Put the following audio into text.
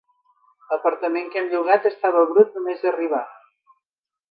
L'apartament que hem llogat estava brut només arribar.